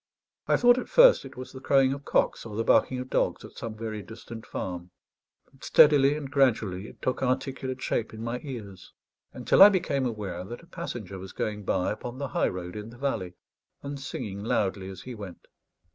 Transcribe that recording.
I thought, at first, it was the crowing of cocks or the barking of dogs at some very distant farm; but steadily and gradually it took articulate shape in my ears, until I became aware that a passenger was going by upon the high road in the valley, and singing loudly as he went.